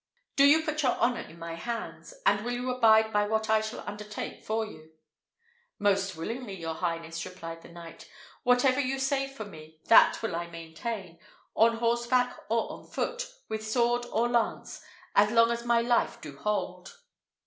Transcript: Do you put your honour in my hands? and will you abide by what I shall undertake for you?" "Most willingly, your highness," replied the knight: "whatever you say for me, that will I maintain, on horseback or on foot, with sword or lance, as long as my life do hold."